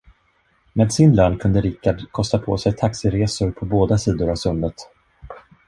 Med sin lön kunde Richard kosta på sig taxiresor på båda sidor av sundet.